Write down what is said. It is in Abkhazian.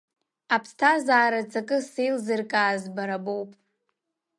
Аԥсҭазаара аҵакы сеилзыркааз бара боуп.